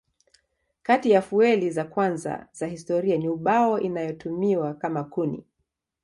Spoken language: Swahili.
Kati ya fueli za kwanza za historia ni ubao inayotumiwa kama kuni.